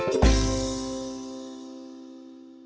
pendidikan berkualitas di desa